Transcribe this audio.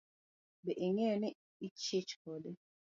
Be ing'eyo ni ichich kode?